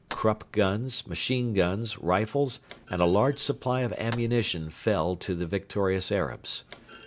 Krupp guns, machine guns, rifles, and a large supply of ammunition fell to the victorious Arabs.